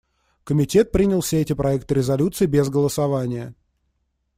Комитет принял все эти проекты резолюций без голосования.